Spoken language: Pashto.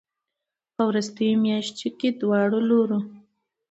ه وروستيو مياشتو کې دواړو لورو